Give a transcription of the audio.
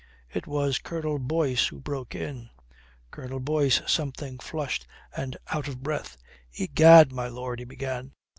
It was Colonel Boyce who broke in, Colonel Boyce something flushed and out of breath. "Egad, my lord," he began.